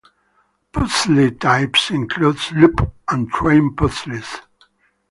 Puzzle types include "loop" and train puzzles.